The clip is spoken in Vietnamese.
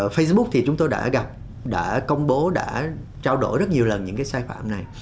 facebook thì chúng tôi đã gặp đã công bố đã trao đổi rất nhiều lần những cái sai phạm này